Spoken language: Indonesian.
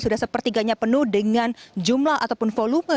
sudah sepertiganya penuh dengan jumlah ataupun volume